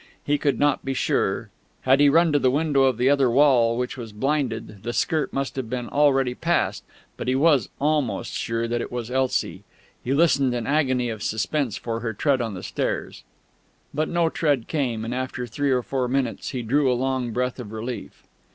He could not be sure had he run to the window of the other wall, which was blinded, the skirt must have been already past but he was almost sure that it was Elsie. He listened in an agony of suspense for her tread on the stairs.... But no tread came, and after three or four minutes he drew a long breath of relief.